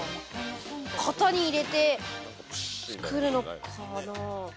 型に入れて作るのかな？